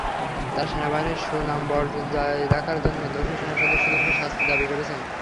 তাঁরা সেনাবাহিনীর সুনাম বজায় রাখার জন্য দোষী সেনাসদস্যদের শাস্তি দাবি করেছেন।